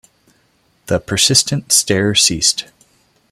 The persistent stare ceased.